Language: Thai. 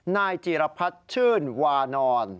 นายจีรพัฒน์ชื่นวานอน